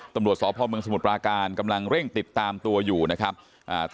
ตำรวจสพเมืองสมุทรปราการกำลังเร่งติดตามตัวอยู่นะครับอ่า